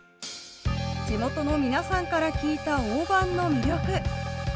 地元の皆さんから聞いたオオバンの魅力。